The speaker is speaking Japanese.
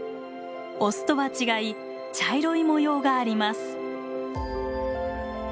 オスとは違い茶色い模様があります。